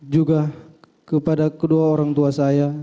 juga kepada kedua orang tua saya